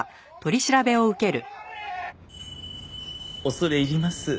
恐れ入ります。